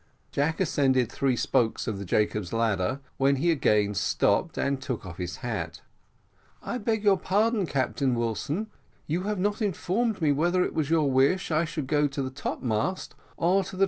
Jack ascended three spokes of the Jacob's ladder, when he again stopped, and took off his hat. "I beg your pardon, Captain Wilson you have not informed me whether it is your wish that I should go to the topmast, or the top gallant cross trees."